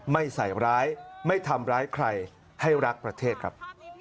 ไม่ใส่ร้ายไม่ทำร้ายใครให้รักประเทศครับ